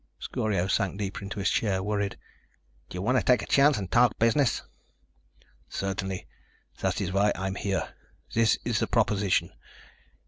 Scorio sank deeper into his chair, worried. "Do you want to take a chance and talk business?" "Certainly. That's why I'm here. This is the proposition.